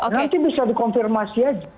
nanti bisa dikonfirmasi aja